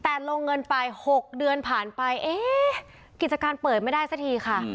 แต่ลงเงินไป๖เดือนผ่านไปเอ๊ะกิจการเปิดไม่ได้สักทีค่ะ